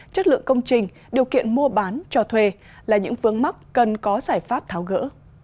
chất lượng công trình điều kiện mua bán trò thuê là những phương mắc cần có giải pháp tháo gỡ